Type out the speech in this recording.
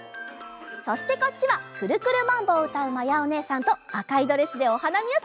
そしてこっちは「くるくるマンボ」をうたうまやおねえさんとあかいドレスでおはなみをするまやおねえさん。